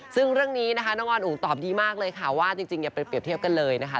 ซึ่งเรื่องนี้นะคะน้องออนอุ๋งตอบดีมากเลยค่ะว่าจริงอย่าไปเปรียบเทียบกันเลยนะคะ